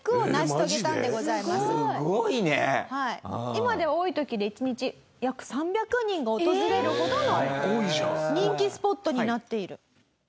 今では多い時で１日約３００人が訪れるほどの人気スポットになっている。